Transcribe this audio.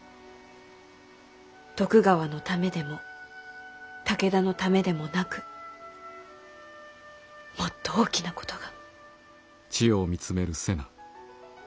徳川のためでも武田のためでもなくもっと大きなことが。